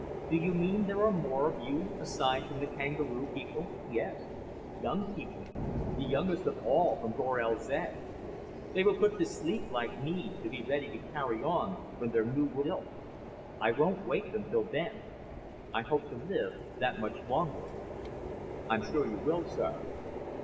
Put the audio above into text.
Do you mean there are more of you, aside from the kangaroo people?" "Oh, yes. Young people. The youngest of all from Gorel zed. They were put to sleep like me, to be ready to carry on when their new world is built. I won't wake them till then. I hope to live that much longer." "I'm sure you will, sir."